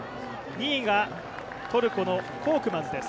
２位がトルコのコークマズです。